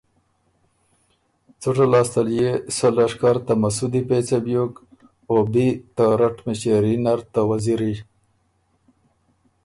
څُټه لاسته ل يې سۀ لشکر ته مسُودی پېڅه بیوک او بی ته رټ مِݭېري نر ته وزیری۔